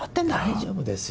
大丈夫ですよ。